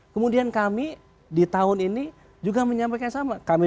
kemudian kami di tahun ini menyampaikan yang sama